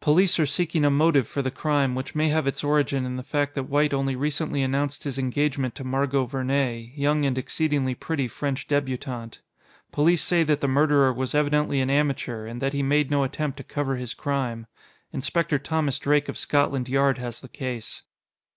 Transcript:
Police are seeking a motive for the crime, which may have its origin in the fact that White only recently announced his engagement to Margot Vernee, young and exceedingly pretty French débutante. Police say that the murderer was evidently an amateur, and that he made no attempt to cover his crime. Inspector Thomas Drake of Scotland Yard has the case.